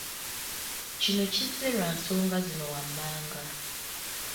Kino kizze lwansonga zino wammanga;